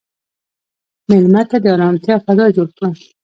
مېلمه ته د ارامتیا فضا جوړ کړه.